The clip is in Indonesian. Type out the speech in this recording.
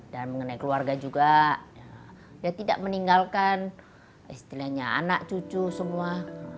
mengenai keluarga juga ya tidak meninggalkan istilahnya anak cucu semua